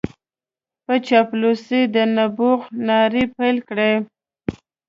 په چاپلوسۍ د نبوغ نارې پېل کړې.